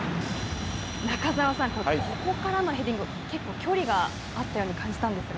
中澤さん、ここからのヘディング結構距離があったように感じたんですが。